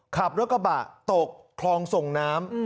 ขับรถกระบะตกคลองส่งน้ำ